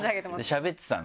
しゃべってたの。